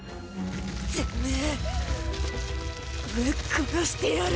てめぇぶっ殺してやる。